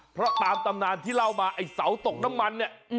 เพราะตามตำนานที่เล่ามาไอ้เสาตกน้ำมันเนี่ย